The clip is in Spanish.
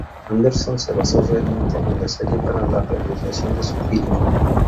Anderson se basó realmente en la serie para la realización de su filme.